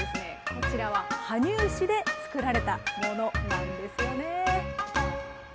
こちらは、羽生市で作られたものなんですよね。